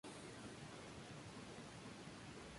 Esta temporada habrá tres etapas de competición.